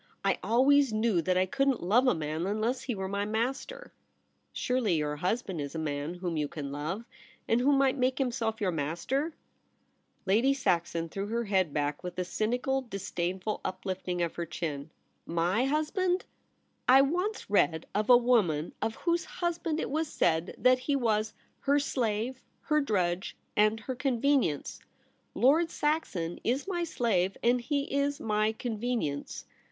I always knew that I couldn't love a man unless he were my master.' * Surely your husband is a man whom you can love, and who might make himself your master ?' Lady Saxon threw her head back with a cynical disdainful uplifting of her chin. * My husband ! I once read of a woman of whose husband it was said that he was " her slave, her drudge, and her convenience." Lord Saxon is my slave, and he is my ''con venience."